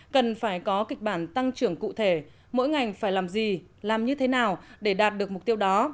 cần phải có kịch bản tăng trưởng cụ thể mỗi ngành phải làm gì làm như thế nào để đạt được mục tiêu đó